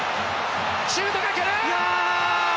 シュートが来る！